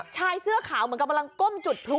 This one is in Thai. ชายเสื้อขาวเหมือนกำลังก้มจุดพลุ